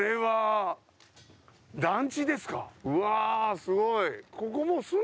うわすごい！